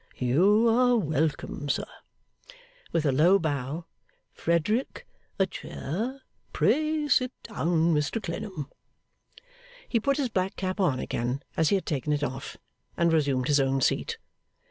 You are welcome, sir;' with a low bow. 'Frederick, a chair. Pray sit down, Mr Clennam.' He put his black cap on again as he had taken it off, and resumed his own seat.